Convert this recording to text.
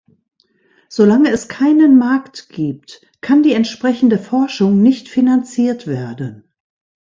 Solange es keinen Markt gibt, kann die entsprechende Forschung nicht finanziert werden.